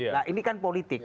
nah ini kan politik